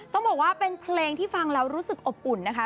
ต้องบอกว่าเป็นเพลงที่ฟังแล้วรู้สึกอบอุ่นนะคะ